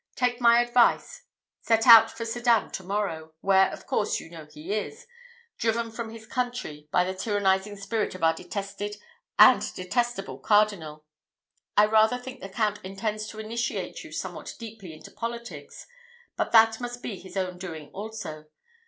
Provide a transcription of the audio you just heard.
Take my advice, set out for Sedan to morrow, where, of course, you know he is driven from his country by the tyrannizing spirit of our detested and detestable cardinal. I rather think the Count intends to initiate you somewhat deeply into politics, but that must be his own doing also.